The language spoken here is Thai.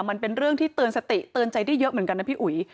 มันเป็นเรื่องที่เตือนสติเตือนใจได้เยอะเหมือนกันนะพี่อุ๋ย